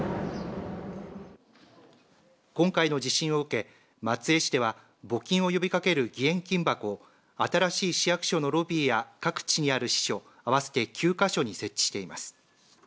今回の地震を受け、松江市では募金を呼びかける義援金箱を新しい市役所のロビーや各地にある支所合わせて９箇所に設置しています。